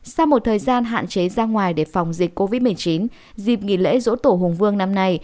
sau một thời gian hạn chế ra ngoài để phòng dịch covid một mươi chín dịp nghỉ lễ dỗ tổ hùng vương năm nay